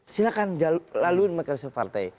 silahkan laluin mekanisme partai